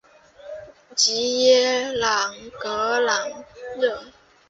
吉耶朗格朗热。